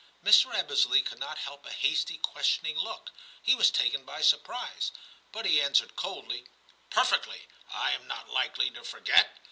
Mr. Ebbesley could not help a hasty questioning look ; he was taken by surprise ; but he answered coldly, ' Perfectly ; I am not likely to forget.